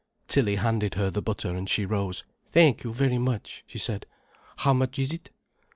Tilly handed her the butter and she rose. "Thank you very much," she said. "How much is it?"